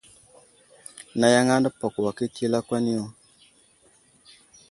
Nayaŋa nəpato wakita i lakwan yo.